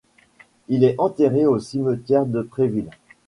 Il est enterré au cimetière de Préville.